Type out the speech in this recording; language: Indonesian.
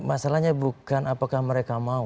masalahnya bukan apakah mereka mau